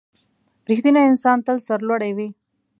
• رښتینی انسان تل سرلوړی وي.